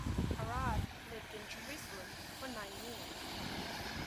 Arad lived in Jerusalem for nine years.